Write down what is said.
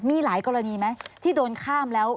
มีหลายกรณีไหมที่โดนข้ามแล้ว